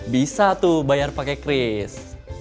bisa tuh bayar pakai kris